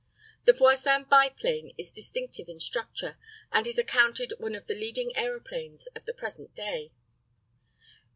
The Voisin biplane is distinctive in structure, and is accounted one of the leading aeroplanes of the present day.